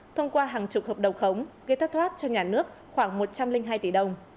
thông qua hàng chục hợp đồng khống gây thất thoát cho nhà nước khoảng một trăm linh hai tỷ đồng